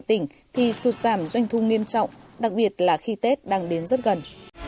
tỉnh thì sụt giảm doanh thu nghiêm trọng đặc biệt là khi tết đang đến rất gần